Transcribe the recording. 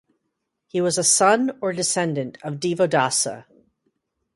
He was a son or descendant of Divodasa.